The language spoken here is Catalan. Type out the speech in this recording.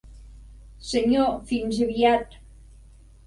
Senyor, fins aviat.